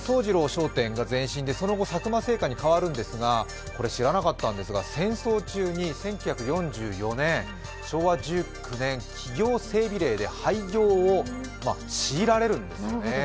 商店が前身でその後佐久間製菓に変わるんですが、これ知らなかったんですが戦争中、１９４４年、昭和１９年、企業整備令で廃業を強いられるんですよね。